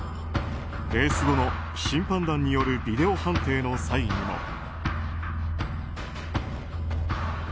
レース後の審判団によるビデオ判定の際にも。